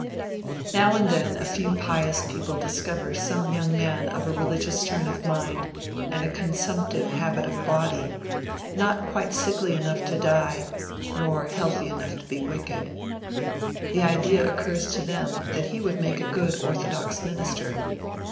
Now and then, a few pious people discover some young man of a religious turn of mind and a consumptive habit of body, not quite sickly enough to die, nor healthy enough to be wicked. The idea occurs to them that he would make a good orthodox minister.